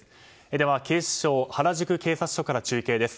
では警視庁原宿警察署から中継です。